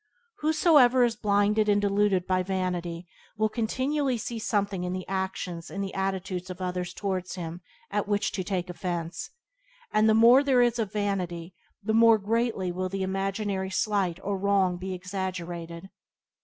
Whosoever is blinded and deluded by vanity will continually see something in the actions and the attitudes of others towards him at which to take offence, and the more there is of vanity the more greatly will the imaginary slight or wrong be exaggerated.